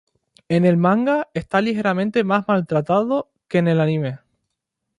En el manga, está ligeramente más maltratado que en el anime.